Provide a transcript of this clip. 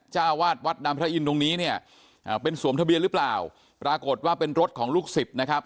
เจ้าวาดวัดนามพระอินทร์ตรงนี้เนี่ยอ่าเป็นสวมทะเบียนหรือเปล่าปรากฏว่าเป็นรถของลูกศิษย์นะครับ